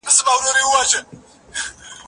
زه به سبا کتابونه لولم وم!.